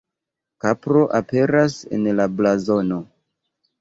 Kapro aperas en la blazono.